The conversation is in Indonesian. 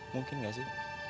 mungkin gak sih